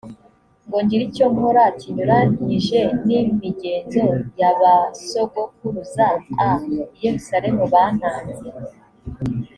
ngo ngire icyo nkora kinyuranyije n imigenzo ya ba sogokuruza a i yerusalemu bantanze